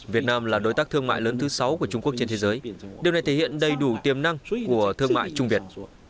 việt nam là đối tác thương mại lớn thứ sáu của trung quốc trên thế giới điều này thể hiện đầy đủ tiềm năng của thương mại trung việt